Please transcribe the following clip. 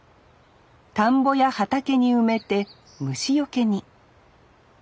田んぼや畑に埋めて虫よけに。